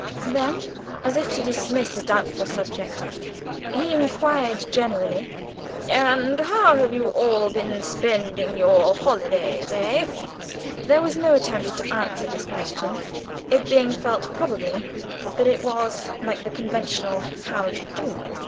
Then, as if to dismiss a doubtful subject, he inquired generally, "And how have you all been spending your holidays, eh!" There was no attempt to answer this question, it being felt probably that it was, like the conventional "How do you do?"